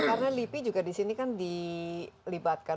karena lipi juga disini kan dilibatkan